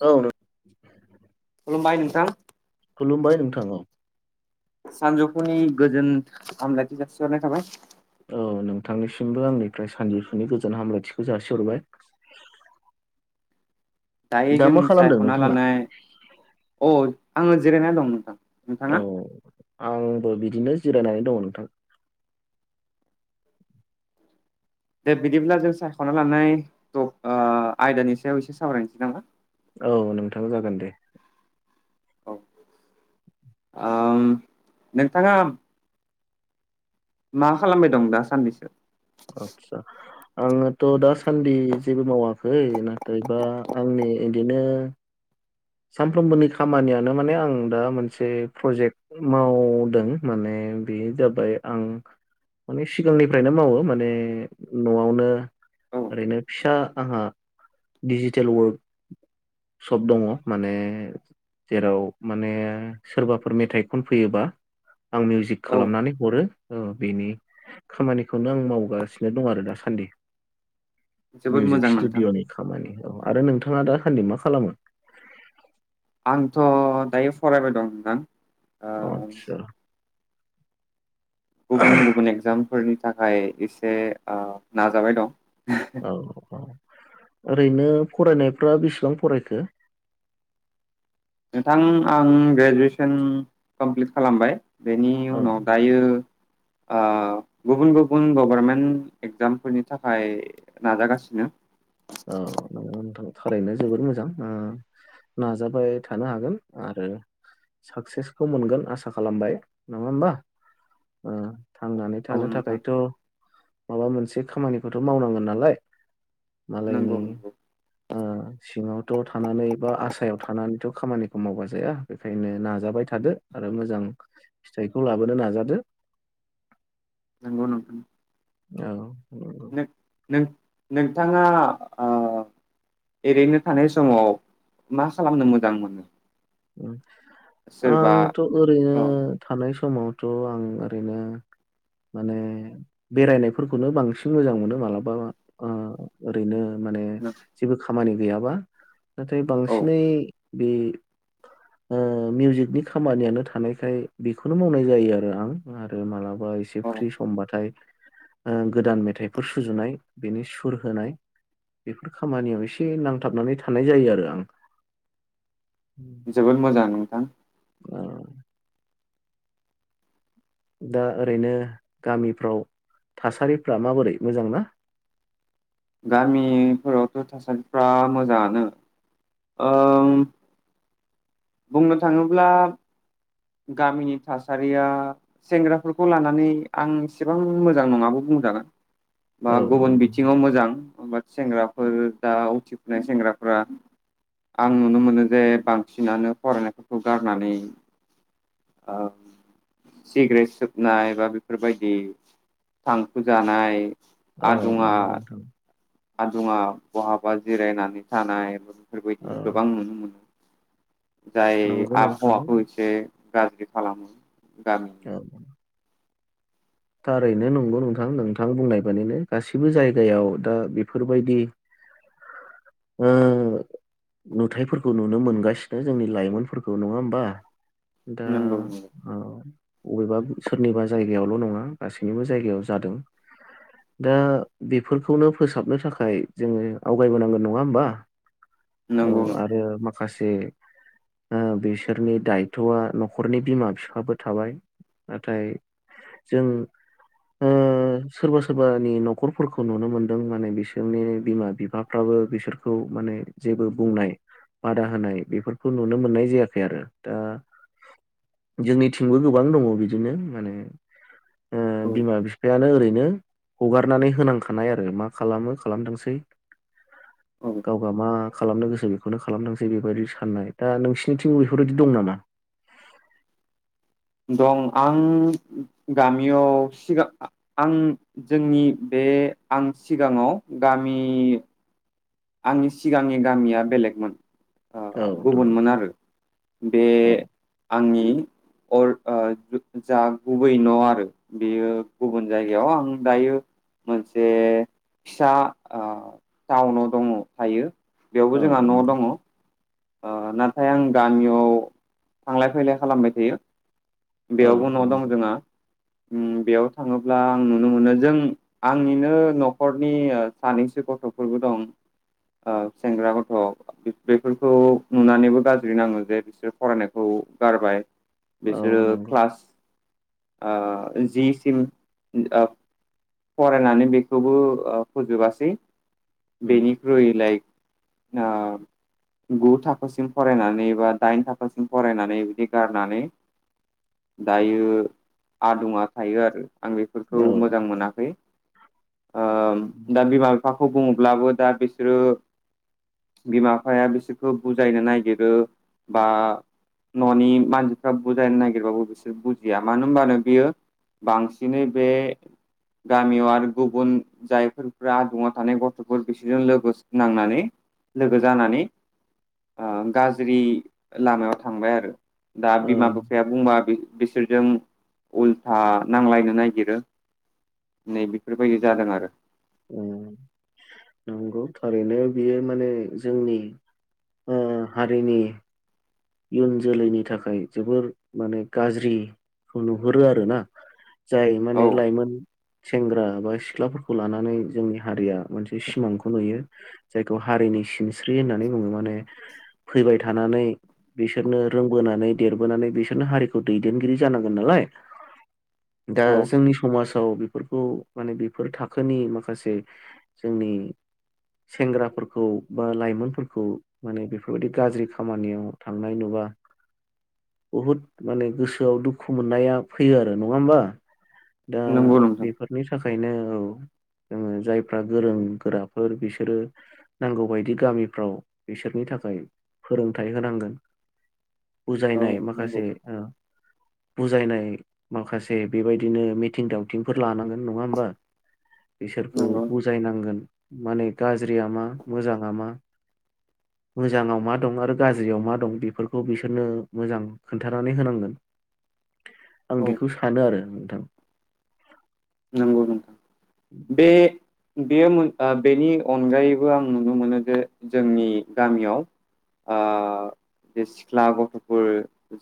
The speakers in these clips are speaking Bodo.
औ नों खुलुमबायबाय नोंथां खुलुमबाय नोंथां औ सानजौफुनि गोजोन हामलायथि जासिहरनाय थाबाय औ नोंथांनिसिमबो आंनिफ्राय सानजौफुनि गोजोन हामलायथिखौ जासिहरबाय दायो दा जों मा खालामदों सायखना नोंथाङा लानाय अ आङो जिरायना दं नोंथां नोंथाङा औ आंबो बिदिनो जिरायनानै दङ नोंथां दे बिदिब्ला जों सायखना लानाय औ आयदानि सायाव एसे सावरायनोसै नामा औ नोंथाङा जागोन दे औ नोंथाङा मा खालामबाय दं दासान्नैसो आतसा आङोथ दासान्दि जेबो मावाखै नाथायबा आंनि बिदिनो सानफ्रोमबोनि खामानियानो माने आं दा मोनसे प्रजेक्ट मावदों माने बे जाबाय आं माने सिगांनिफ्रायनो मावो माने नआवनो औ ओरैनो फिसा आंहा दिजिटेल वर्क शप दङ माने जेराव माने सोरबाफोर मेथाइ खनफैयोबा आं मिउजिक औ खालामनानै हरो बेनि खामानिखौनो आं मावगासिनो दं आरो दासान्दि जोबोद मिउजिक मोजां नोंथां स्टुडिअ'नि खामानि औ आरो नोंथाङा दा सान्दि मा खालामो आंथ दायो फरायबाय दं नोंथां ओ आतसा गुबुन गुबुन एगजामफोरनि थाखाय एसे ओ नाजाबाय दं औ औ ओरैनो फरायनायफ्रा बेसेबां फरायखो नोंथां आं ग्रेजुवेसन कमप्लिट खालामबाय बेनि औ उनाव दायो ओ गुबुन गुबुन गभारमेन्ट एगजामफोरनि थाखाय नाजागासिनो औ नोंगौ नोंथां थारैनो जोबोर मोजां नाजाबाय थानो हागोन आरो साक्सेसखौ मोनगोन आसा खालामबाय नङा होमबा ओ थांनानै औ थानो नोंथां थाखायथ माबा मोनसे खामानिखौथ मावनांगोन नालाय मालायनि नंगौ सिङावथ थानानै बा आसायाव थानानैथ खामानिखौ मावबा जाया बेखायनो नाजाबाय थादो आरो मोजां फिथाइखौ लाबोनो नाजादो नंगौ नोंथां औ नंगौ नों नोंथाङा ओ एओरैनो थानाय समाव मा खालामनो मोजां मोनो? लांदां सोरबा आंथ ओरैनो औ थानाय सम समावथ आं ओरैनो माने बेरायनायफोरखौनो बांसिन मोजां मोनो मालाबा ओ ओरैनो माने जेबो खामानि गैयाबा नाथाय औ बांसिनै बे ओ मिउजिकनि खामानियानो थानायखाय बेखौनो मावनाय जायो आरो आं आरो मालाबा एसे औ फ्रि समबाथाय ओ गोदान मेथाइफोर सुजुनाय बेनि सुर होनाय बेफोर खामानियाव एसे नांथाबनानै थानाय जायो आरो आं जोबोर मोजां नोंथां औ दा ओरैनो गामिफ्राव थासारिफ्रा माबोरै मोजांना गामिफोरावथ थासारिफ्रा मोजाङानो ओ बुंनो थाङोब्ला गामिनि थासारिया सेंग्राफोरखौ लानानै आं एसेबां मोजां नङाबो बुंजागोन बा औ गुबुन नंगौ बिथिङाव मोजांय सेंग्राफोर दा उथिफुनाय सेंग्राफोरा आं नुनो मोनो जे बांसिनानो फरायनायफोरखौ गारनानै ओ सिग्रेट सोबनाय बा बेफोरबायदि थांफु जानाय औ आदुङा नंगौ नोंथां आदुङा बहाबा जिरायनानै थानाय बेफोरबायदि औ गोबां नुनो मोनो जाय नंगौ नोंथां आबहावाखौ एसे गाज्रि खालामो ज गामिनि [unintelligible] थारैनो नंगौ नोंथां नोंथां बुंनाय बादिनो गासिबो जायगायाव दा बेफोरबायदि ओ नुथायफोरखौ नुनो मोनगासिनो जोंनि लाइमोनफोरखौ नङा होनबा दा नंगौ नंगौ औ अबेबा सोरनिबा जायगायावल नङा गासैनिबो जायगायाव जादों दा बेफोरखौनो फोसाबनो थाखाय जोङो आवगायबोनांगोन नङा होमबा? औ नंगौ नंगौ आरो मा माखासे ओ बिसोरनि दायथआ नखरनि बिमा बिफाबो थाबाय नाथाय जों ओ सोरबा सोरबानि नखरफोरखौ नुनो मोनदों माने बिसोरनि बिमा बिफाफ्राबो बिसोरखौ माने जेबो बुंनाय बादा होनाय बेफोरखौ नुनो मोननाय जायाखै आरो दा जोंनिथिंबो गोबां दङ बिदिनो माने ओ औ बिमा बिफायानो ओरैनो हगारनानै होनांखानाय आरो मा खालामो खालामथोंसै औ गावबा मा? खालामनो गोसो बेखौनो खालामथोंसै बेबायदि साननाय दा नोंसिनिथिंबो बेफोरबायदि दं नामा? दं आं गामियाव सिगां आं जोंनि बे आं सिगाङाव गामि आंनि सिगांनि गामिया बेलेगमोन आ औ नंगौ गुबुनमोन आरो बे औ आंनि अर ओ जा गुबै न आरो बेयो गुबुन जायगायाव आं दायो मोनसे फिसा ओ टाउनाव दङ थायो बेयावबो औ जोंहा न नंगौ दङ ओ नाथाय आं गामियाव थांलाय फैलाय खालामबाय थायो औ बेयावबो न दं नंगौ जोंहा उम बेयाव थाङोब्ला आं नुनो मोनो जों आंनिनो नखरनि ओ सानैसो गथफोरबो दं ओ सेंग्रा गथ बेफोरखौ नुनानैबो गाज्रि नाङो जे बिसोरो फरायनायखौ गारबाय औ बेस ओ नंगौ क्लास ओ जि सिम उम ओ फरायनानै बेखौबो ओ फोजोबासै उम बेनिख्रुय लाइक ओ गु थाखोसिम फरायनानै बा दाइन थाखोसिम फरायनानै बिदि गारनानै दायो आदुङा थायो आरो आं बेफोरखौ औ मोजां मोना खै ओ दा बिमा बिफाखौ बुङ- ब्लाबो दा बिसोरो बिमा बिफाया बिसोरखौ बुजायनो नागिरो बा ननि मानसिफ्रा बुजायनो नागिरबाबो बिसोर बुजिया मानो होनबानो बियो बांसिनै बे गामियाव आरो गुबुन जायफोरफ्रा आदुङा थानाय गथफोर बिसोरजों लोगोस नांनानै लोगो जानानै ओ गाज्रि लामायाव थांबाय आरो दा औ बिमा बिफाया बुंबा बिसोरजों उल्था नांलायनो नागिरो नै बेफोरबायदि जादों आरो उम नंगौ थारैनो बियो माने जोंनि ओ हारिनि इयुन जोलैनि थाखाय जोबोर माने गाज्रिखौ नुहुरो आरो ना जाय औ माने लाइमोन सेंग्रा बा सिख्लाफोरखौ लानानै जोंनि हारिया मोनसे सिमांखौ नुयो जायखौ हारिनि सिन स्रि होननानै बुङो माने फैबाय थानानै बिसोरनो रोंबोनानै देरबोनानै बिसोरनो हारिखौ दैदेनगिरि जानांगोन नालाय दा औ जोंनि समाजाव बेफोरखौ माने बेफोर थाखोनि माखासे जोंनि सेंग्राफोरखौ बा लाइमोनफोरखौ माने बेफोरबायदि गाज्रि खामानियाव थांनाय नुबा बुहुद माने गोसोआव दुखु मोननाया फैयो आरो नङा होमबा दा नंगौ नोंथां बेफोरनि थाखाय खायनो औ ओ जायफ्रा गोरों गोराफोर बिसोरो नांगौबायदि गामिफ्राव बिसोरनि थाखाय फोरोंथाइ होनांगोन। औ बुजायनाय नंगौ माखासे बुजायनाय माखासे बेबायदिनो मिथिं दावथिंफोर लानांगोन नङा होमबा बिसोरखौ नंगौ बुजायनांगोन माने गाज्रिया मा मोजाङा मा मोजाङाव मा दं आरो गाज्रियाव मा दं बेफोरखौ बिसोरनो मोजां खोन्थानानै होनांगोन आं औ बेखौ सानो आरो नोंथां नंगौ नोंथां बे बेयो मोन बेनि अनगायैबो आं नुनो मोनो जे जोंनि गामियाव ओ जे सिख्ला गथ'फोर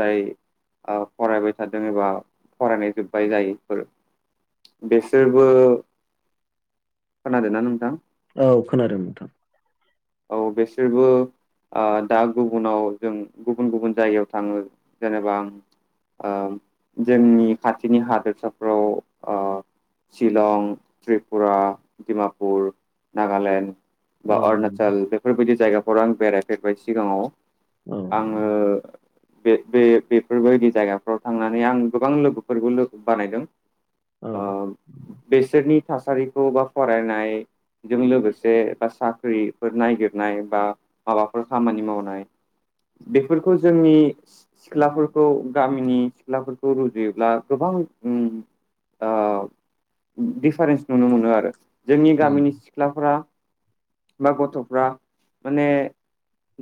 जाय ओ फरायबाय थादों एबा फरायनाय जोब्बाय जायोफोर बेसोरबो खोनादोंना नोंथां औ खोनादों नोंथां औ बेसोरबो आ दा गुबुनाव जों गुबुन गुबुन जायगायाव थाङो जेनेबा ओ जोंनि खाथिनि ओ हादोरसाफोराव शिलं, त्रिपुरा, डमापुर, नागालेण्ड बा औ अर नंगौ नासल बेफोरबायदि जायगा आं बेरायफेरबाय सिगाङाव औ आङो नंगौ। बे-बे-बेफोरबायदि जायगाफ्राव थांनानै आं गोबां लोगोफोरबो लोगो बानायदों। औ ओ बेसोरनि थासारि खौ बा फरायनायजों लोगोसे बा साख्रि फोर नायगिरनाय बा माबाफोर खामानि मावनाय बेफोरखौ जोंनि सि सिख्लाफोरखौ गामिनि सिख्लाफोरखौ रुजुयोब्ला गोबां ओम ओ दिफारेन्स नुनो मोनो आरो। जोंनि गामिनि सिख्लाफोरा बा गथ'फ्रा माने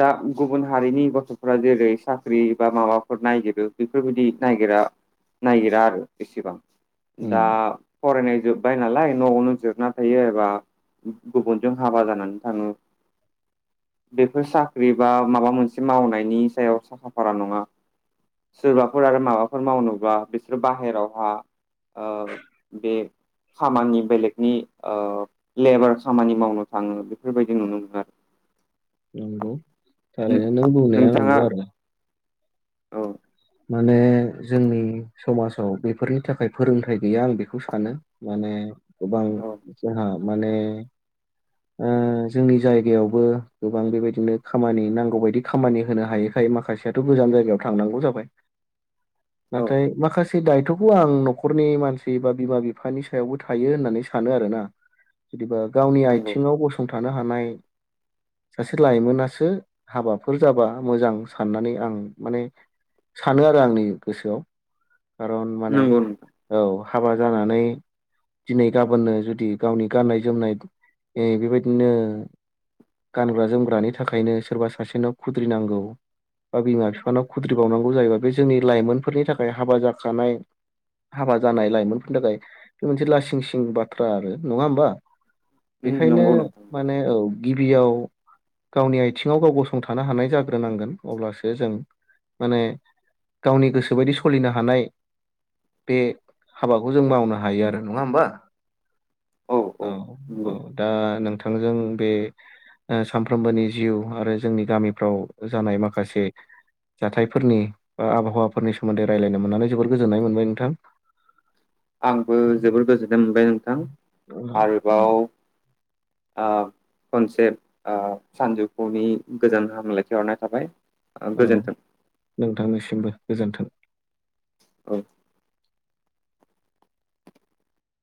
दा गुबुन हारिनि गथ'फ्रा जेरै साख्रि बा माबाफोर नायगिरो बेफोरबायदि नायगिरा नायगिरा आरो एसेबां दा ओम फरायनाय जोब्बाय नालाय न'आवनो जिरायना थायो एबा गुबुनजों हाबा जानानै थाङो बेफोर साख्रि बा माबा मोनसे मावनायनि सायाव साखा फारा नङा सोरबाफोर आरो माबाफोर मावनोबा बिसोर बाहेरावहा ओ बे खामानि बेलेगनि ओ लेबार खामानि मावनो थाङो। बेफोरबायदि नुनो मोनो आरो नंगौ थारैनो नों बुंनाया नोंथाङा नंगौ आरोना औ माने जोंनि समाजाव बेफोरनि थाखाय फोरोंथाइ गैया आं बेखौ सानो माने गोबां औ जोंहा माने ओ जोंनि जायगायावबो गोबां बेबायदिनो खामानि नांगौबायायदि खामानि होनो हायैखाय माखासेयाथ' गोजान जायगायाव थांनांगौ जाबाय। औ नाथाय माखासे सै दायथ'खौ आं न'खरनि मानसि बा बिमा-बिफानि सायावबो थायो होननानै सानो आरोना जुदिबा गावनि नंगौ आथिङाव गसंथान थानो हानाय सासे लाइमोनासो हाबाफोर जाबा मोजां साननानै आं माने सानो आरो आंनि गोसोआव खारन माने नंगौ नोंथां औ हाबा जानानै दिनै गाबोननो जुदि गावनि गाननाय जोमनाय बेबायदिनो गानग्रा जोमग्रानि थाखायनो सोरबा सासेनाव खुद्रिनांगौ बा बिमा-बिफानाव खुद्रिबावनां गौ जायोबा बे जोंनि लाइमोनफोरनि थाखाय हाबा जाखानाय हाबा जानाय लाइमोनफोरनि थाखाय बे मोनसे लासिंसिं बाथ्रा आरो नङा होमबा। बेखायनो नंगौ नोंथां माने औ गिबियाव गावनि आथिङाव गाव गसंथानो हानाय जाग्रोनांगोन अब्लासो जों माने गावनि गोसो बायदि सलिनो हानाय बे हाबाखौ जों मावनो हायो आरो नङा होमबा औ औ दा नोंथां थांजों बे सामफ्रोमबोनि जिउ आरो जोंनि गामिफ्राव जानाय माखासे जाथायफोरनि बा आबहावाफोरनि सोमोन्दै रायजलायनो मोननानै जोबोर गोजोननाय मोनबाय नोंथां। आंबो जोबोर गोजोननाय मोनबाय नों थां। औ आ खनसे आ सानजौफुनि गोजोन हामलायनायखौ बावहरनाय थाबाय। औ गोजोन्थों नोंथांनिसिमबो गोजोन्थों। औ